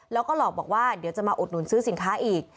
แล้วก็หลอกบอกว่าเดี๋ยวจะมาอุดหนุนซื้อสินค้าอีก